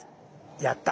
やった。